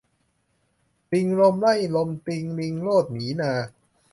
ลิงลมไล่ลมติง ลิงโลด หนีนา